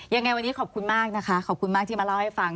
ยังไงวันนี้ขอบคุณมากนะคะขอบคุณมากที่มาเล่าให้ฟัง